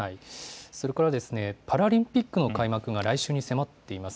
それからパラリンピックの開幕が来週に迫っています。